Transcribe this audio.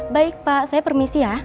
baik pak saya permisi ya